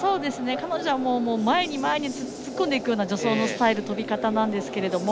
彼女は前に、前に突っ込んでいくような助走のスタイル跳び方なんですが。